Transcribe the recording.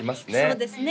そうですね